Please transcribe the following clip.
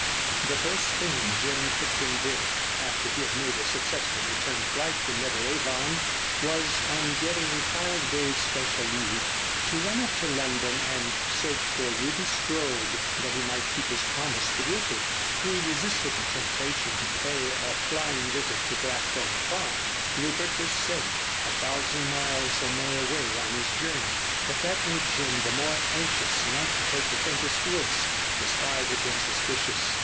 The first thing Jim Crichton did—after he had made a successful return flight to Netheravon—was, on getting five days' special leave, to run up to London and search for Ruby Strode that he might keep his promise to Rupert. He resisted the temptation to pay a flying visit to Blackthorn Farm. Rupert was safe, a thousand miles or more away on his journey. But that made Jim the more anxious not to take the faintest risk. Despard had been suspicious.